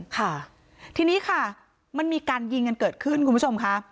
ค่ะทีนี้ค่ะมันมีการยิงกันเกิดขึ้นคุณผู้ชมค่ะ